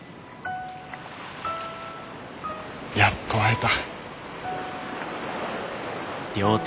やっと会えた。